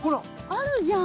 あるじゃん。